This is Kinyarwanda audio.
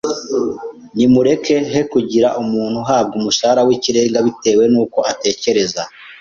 Nimureke he kugira umuntu uhabwa umushahara w’ikirenga bitewe n’uko atekereza